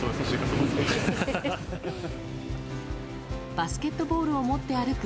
バスケットボールを持って歩く